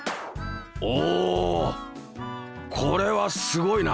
おおおこれはすごいな。